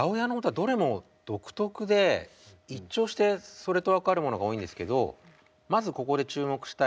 どれも独特で一聴してそれと分かるものが多いんですけどまずここで注目したいのはですね